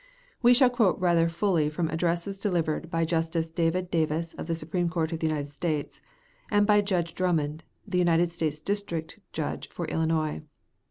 We shall quote rather fully from addresses delivered by Justice David Davis, of the Supreme Court of the United States, and by Judge Drummond, the United States District Judge for Illinois.